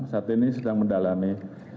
saat ini sedang mendalami